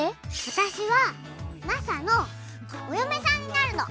私はマサのお嫁さんになるの！